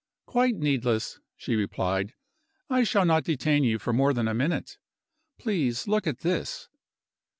"Quite needless," she replied; "I shall not detain you for more than a minute. Please look at this."